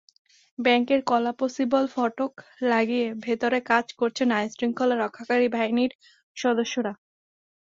ব্যাংকের কলাপসিবল ফটক লাগিয়ে ভেতরে কাজ করছেন আইনশৃঙ্খলা রক্ষাকারী বাহিনীর সদস্যরা।